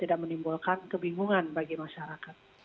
tidak menimbulkan kebingungan bagi masyarakat